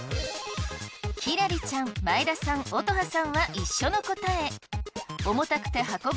輝里ちゃん前田さん乙葉さんは一緒の答え。